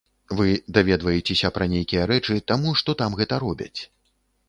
Вы даведваецеся пра нейкія рэчы, таму што там гэта робяць.